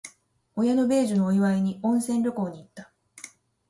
親の米寿のお祝いに、温泉旅行に行った。